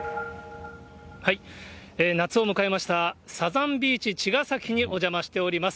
夏を迎えましたサザンビーチちがさきにお邪魔しております。